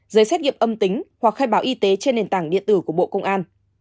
giấy xét nghiệm âm tính hoặc khai báo y tế trên nền tảng điện tử của bộ công an